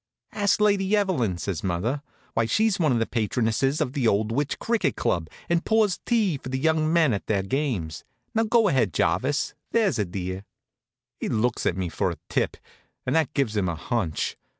"Ask Lady Evelyn," says mother. "Why, she's one of the patronesses of the Oldwich Cricket Club, and pours tea for the young men at their games. Now, go ahead, Jarvis; there's a dear." He looks at me for a tip, and that gives him a hunch.